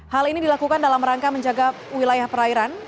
hal ini dilakukan dalam rangka menjaga wilayah perairan